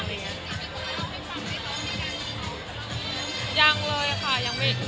อาทิตย์กลับมาเล่าไม่ฟังเลยเพราะว่ามีแก่งของเขา